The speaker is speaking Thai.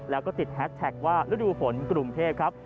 แล้วก็ติดแฮสแท็กว่าฤดูฝนกรุงเทพครับ